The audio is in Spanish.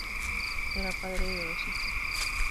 Era padre de dos hijos.